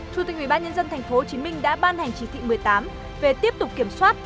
chủ tịch ubnd tp hcm đã ban hành chỉ thị một mươi tám về tiếp tục kiểm soát